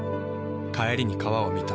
帰りに川を見た。